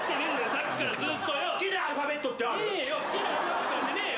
さっきからずっとよ！